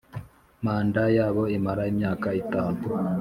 Manda yabo imara imyaka itanu